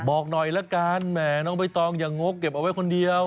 บอกหน่อยละกันแหมน้องใบตองอย่างงกเก็บเอาไว้คนเดียว